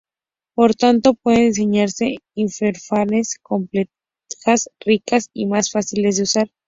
Por tanto, pueden diseñarse interfaces complejas, ricas y más fáciles de usar.